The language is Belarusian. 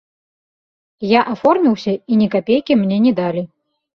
Я аформіўся, і ні капейкі мне не далі.